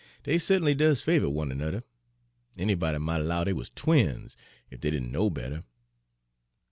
Dey ce't'nly does favor one anudder, anybody mought 'low dey wuz twins, ef dey didn' know better.